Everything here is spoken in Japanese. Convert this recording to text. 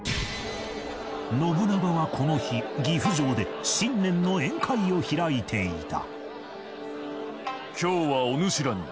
信長はこの日岐阜城で新年の宴会を開いていた